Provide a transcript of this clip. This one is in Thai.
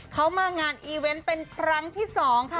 เขามางานอีเวนต์เป็นครั้งที่๒ค่ะ